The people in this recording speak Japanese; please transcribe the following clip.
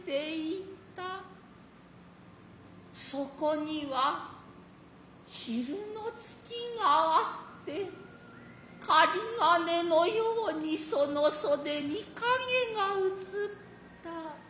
其処には昼の月があつて雁金のやうに其の袖に影が映つた。